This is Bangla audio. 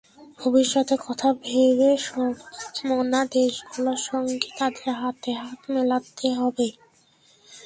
ভবিষ্যতের কথা ভেবে সমমনা দেশগুলোর সঙ্গে তাদের হাতে হাত মেলাতে হবে।